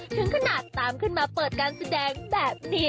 ถึงขนาดตามขึ้นมาเปิดการแสดงแบบนี้